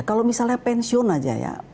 kalau misalnya pensiun aja ya